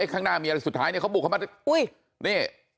ข้างหน้ามีอะไรสุดท้ายเนี่ยเขาบุกเข้ามาอุ้ยนี่